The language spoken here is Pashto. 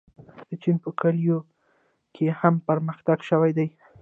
د چین په کلیو کې هم پرمختګ شوی دی.